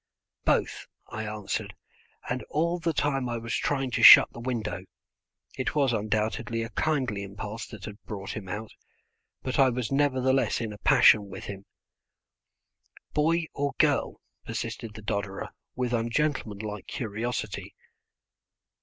"Both," I answered, and all the time I was trying to shut the window. It was undoubtedly a kindly impulse that had brought him out, but I was nevertheless in a passion with him. "Boy or girl?" persisted the dodderer with ungentlemanlike curiosity.